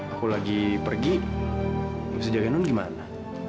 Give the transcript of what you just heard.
aku lagi pergi gak bisa jagain non gimana